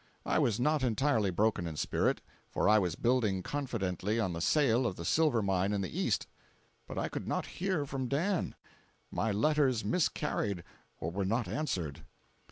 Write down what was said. I was not entirely broken in spirit, for I was building confidently on the sale of the silver mine in the east. But I could not hear from Dan. My letters miscarried or were not answered.